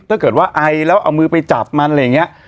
ถ้าเกิดว่าไอแล้วเอามือไปจับมันอะไรอย่างนี้